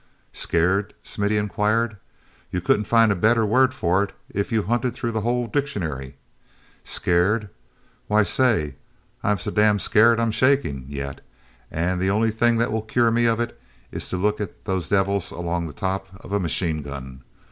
"Scared?" Smithy inquired. "You couldn't find a better word for it if you hunted through the whole dictionary. Scared? Why, say, I'm so damn scared I'm shaking yet, and the only thing that will cure me of it is to look at those devils along the top of a machine gun!